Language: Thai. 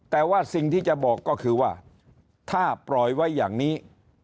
แต่ว่าสิ่งที่จะบอกก็คือว่าถ้าปล่อยไว้อย่างนี้